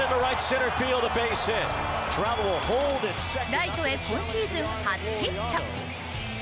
ライトへ今シーズン初ヒット。